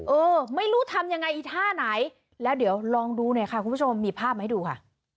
เออไม่รู้ทำยังไงอีท่าไหนแล้วเดี๋ยวลองดูหน่อยค่ะคุณผู้ชมมีภาพมาให้ดูค่ะ